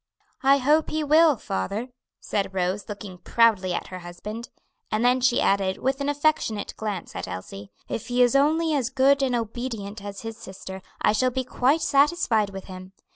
"I hope he will, father," said Rose, looking proudly at her husband. And then she added, with an affectionate glance at Elsie: "If he is only as good and obedient as his sister, I shall be quite satisfied with him.